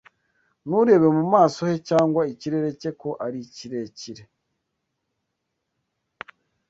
Nturebe mu maso he cyangwa ikirere cye ko ari kirekire